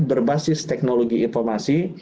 berbasis teknologi informasi